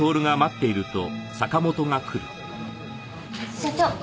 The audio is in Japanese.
社長。